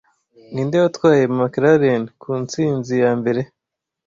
Ninde watwaye McLaren ku ntsinzi yambere